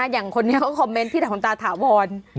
อย่างคนนี้เขาคอมเมนต์พี่ถามตาถาวร